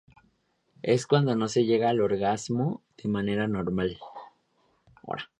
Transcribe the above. Es cuando no se llega al orgasmo de manera "normal".